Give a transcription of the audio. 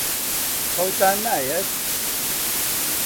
خەوتان نایەت؟